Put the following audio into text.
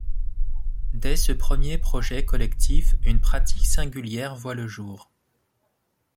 Dès ce premier projet collectif, une pratique singulière voit le jour.